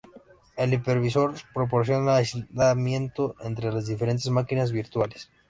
El hipervisor proporciona aislamiento entre las diferentes máquinas virtuales.